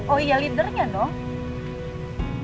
oh iya leadernya dong